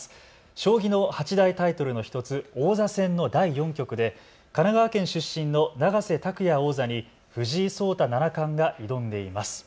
将棋の八大タイトルの１つ王座戦の第４局で神奈川県出身の永瀬拓矢王座に藤井聡太七冠が挑んでいます。